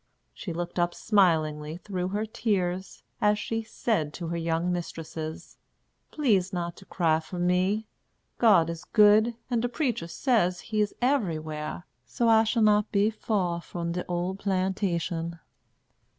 She looked up smilingly through her tears, as she said to her young mistresses: "Please not to cry for me. God is good, and de preacher says he is everywhar; so I shall not be fur from de ole plantation."